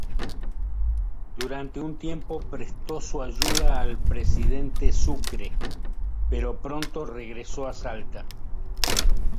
Durante un tiempo prestó su ayuda al presidente Sucre, pero pronto regresó a Salta.